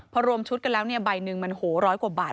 พอรวมชุดกันแล้วเนี่ยใบหนึ่งมันโหร้อยกว่าบาท